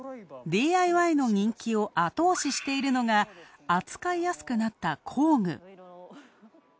ＤＩＹの人気を後押ししているのが、扱いやすくなった工具。